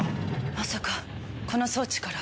まさかこの装置から。